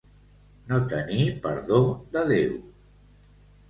No tenir perdó de Déu.